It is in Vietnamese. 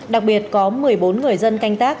đặc biệt có một mươi bốn người dân canh tác